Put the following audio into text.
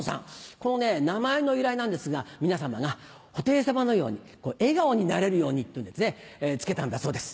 この名前の由来なんですが皆さまが布袋様のように笑顔になれるようにっていうんで付けたんだそうです。